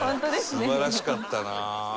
素晴らしかったなあ。